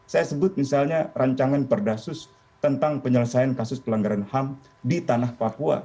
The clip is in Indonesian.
saya sebut misalnya rancangan perdasus tentang penyelesaian kasus pelanggaran ham di tanah papua